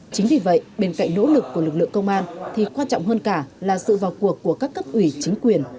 chính vì vậy bên cạnh nỗ lực của lực lượng công an thì quan trọng hơn cả là sự vào cuộc của các cấp ủy chính quyền